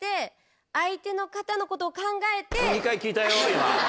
今。